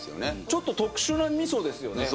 ちょっと特殊な味噌ですよね